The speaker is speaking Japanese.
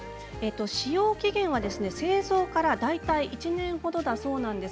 使用期限は製造から大体１年ほどだそうです。